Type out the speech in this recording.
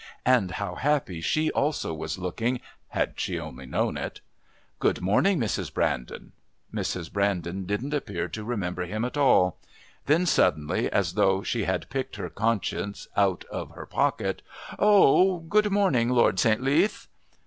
And how happy she also was looking had she only known it! "Good morning, Mrs. Brandon." Mrs. Brandon didn't appear to remember him at all. Then suddenly, as though she had picked her conscience out of her pocket: "Oh, good morning, Lord St. Leath."